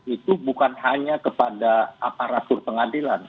itu bukan hanya kepada aparatur pengadilan